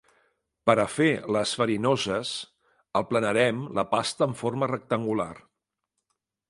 Per a fer les farinoses aplanarem la pasta en forma rectangular.